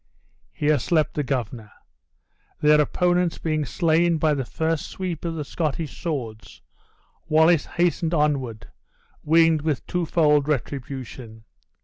Here slept the governor. These opponents being slain by the first sweep of the Scottish swords, Wallace hastened onward, winged with twofold retribution.